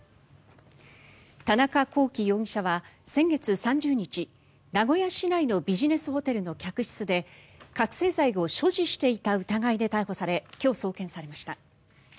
田中聖容疑者は先月３０日名古屋市内のビジネスホテルの客室で覚醒剤を所持していた疑いで逮捕され今日、送検されました。